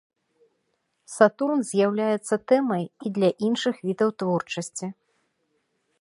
Сатурн з'яўляецца тэмай і для іншых відаў творчасці.